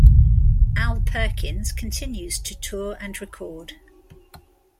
Al Perkins continues to tour and record.